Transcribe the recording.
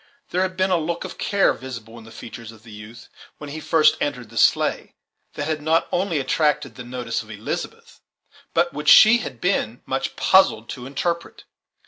There had been a look of care visible in the features of the youth, when he first entered the sleigh, that had not only attracted the notice of Elizabeth, but which she had been much puzzled to interpret.